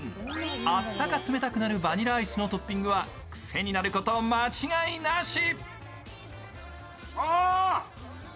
あったか冷たくなるバニラアイスのトッピングは癖になること間違いなし。